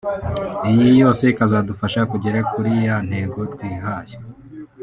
iyi yose ikazadufasha kugera kuri ya ntego twihaye